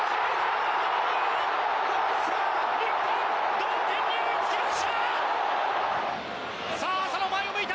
同点に追いつきました！